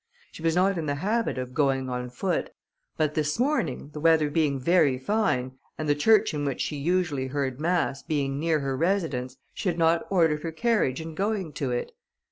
She was not in the habit of going on foot; but this morning, the weather being very fine, and the church in which she usually heard mass, being near her residence, she had not ordered her carriage in going to it.